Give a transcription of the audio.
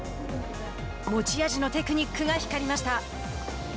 持ち味のテクニックが光りました。